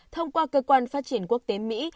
thông qua cơ quan phát triển quốc tế mỹ